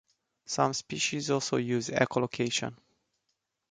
Some species also use echolocation.